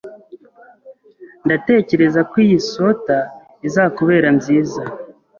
Ndatekereza ko iyi swater izakubera nziza.